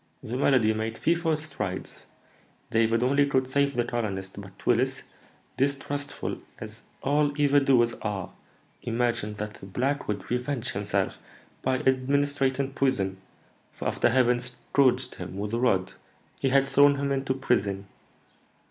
"The malady made fearful strides. David only could save the colonist, but Willis, distrustful, as all evil doers are, imagined that the black would revenge himself by administering poison; for, after having scourged him with a rod, he had thrown him into prison.